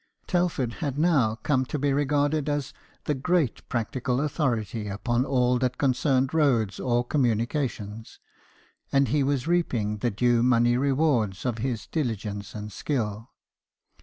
Telford had now come to be regarded as the great practical authority upon all that concerned roads or communications ; and he was reaping the due money reward of his diligence and skill.